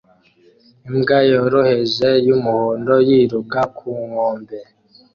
Imbwa yoroheje yumuhondo yiruka ku nkombe